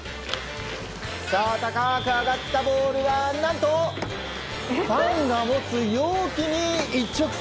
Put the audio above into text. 高く上がったボールは、何とファンが持つ容器に一直線。